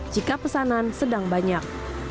jika pesanan sedang banyak